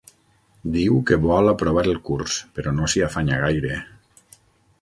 Diu que vol aprovar el curs, però no s'hi afanya gaire.